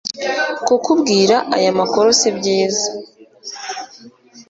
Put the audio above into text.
kukubwira aya makuru sibyiza